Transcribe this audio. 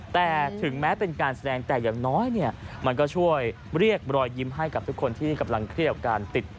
แต่ถึงแม้เป็นการแสดงแต่อย่างน้อยเนี่ยมันก็ช่วยเรียกรอยยิ้มให้กับทุกคนที่กำลังเครียดกับการติด